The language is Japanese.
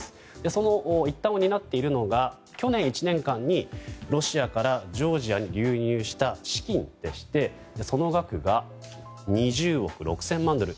その一端を担っているのが去年１年間にロシアからジョージアに流入した資金でしてその額が２０億６０００万ドル。